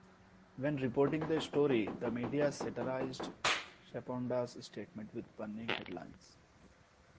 When reporting the story, the media satirised Chaponda's statement with punning headlines.